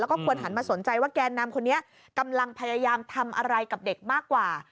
แล้วก็ควรหันมาสนใจว่าแกนนำคนนี้กำลังพยายามทำอะไรกับเด็กมากกว่า